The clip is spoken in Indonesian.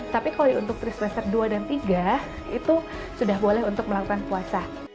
tapi kalau untuk trik semester dua dan tiga itu sudah boleh untuk melakukan puasa